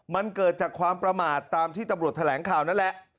มันเกิดจากความประมาทตามที่ตำรวจแถลงข่าวนั่นแหละ